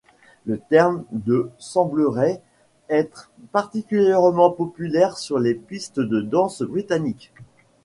Le terme de semblerait être particulièrement populaire sur les pistes de danse britanniques.